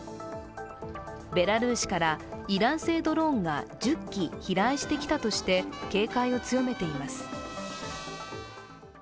ベラルーシからイラン製ドローンが１０機飛来してきたとして警戒を強めています。